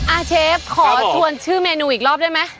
เชฟขอชวนชื่อเมนูอีกรอบได้ไหม